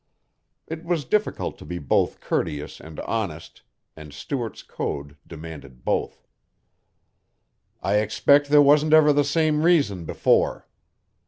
It was difficult to be both courteous and honest, and Stuart's code demanded both. "I expect there wasn't ever the same reason before."